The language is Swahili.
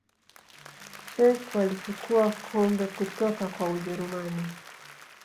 czech walichukua kombe kutoka kwa ujerumani